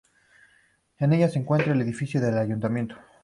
En ella se encuentra el edificio del Ayuntamiento.